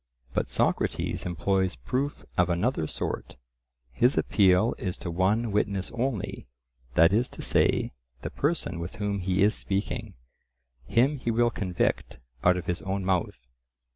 But Socrates employs proof of another sort; his appeal is to one witness only,—that is to say, the person with whom he is speaking; him he will convict out of his own mouth.